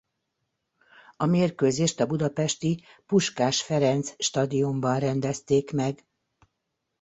A mérkőzést a budapesti Puskás Ferenc Stadionban rendezték meg.